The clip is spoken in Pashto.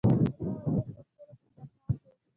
زما وضعیت ترټولو خطرناک و.